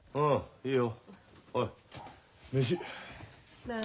いいよ